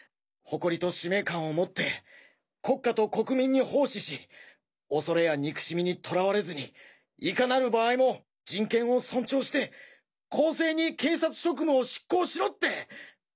誇りと使命感を持って国家と国民に奉仕し恐れや憎しみにとらわれずにいかなる場合も人権を尊重して公正に警察職務を執行しろって。